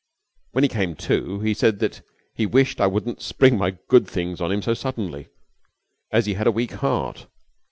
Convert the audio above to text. When he came to he said that he wished I wouldn't spring my good things on him so suddenly, as he had a weak heart.